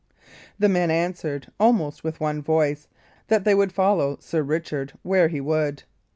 The men answered, almost with one voice, that they would follow Sir Richard where he would.